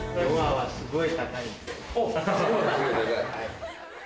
はい。